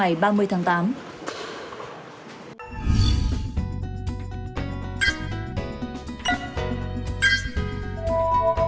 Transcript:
hãy đăng ký kênh để ủng hộ kênh của mình nhé